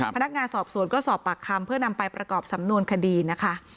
พนักงานสอบสวนก็สอบปากคำเพื่อนำไปประกอบสำนวนคดีนะคะ